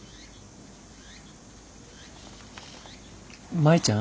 舞ちゃん。